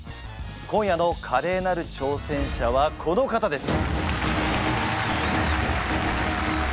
今夜のカレーなる挑戦者はこの方です！